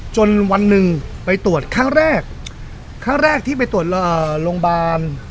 วันหนึ่งไปตรวจครั้งแรกครั้งแรกที่ไปตรวจเอ่อโรงพยาบาล